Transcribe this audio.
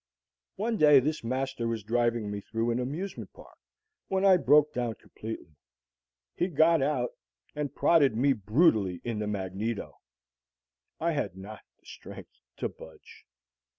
One day this master was driving me through an amusement park when I broke down completely. He got out, and prodded me brutally in the magneto. I had not the strength to budge.